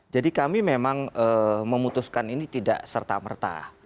jadi kami memang memutuskan ini tidak serta merta